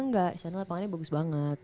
enggak di sana lapangannya bagus banget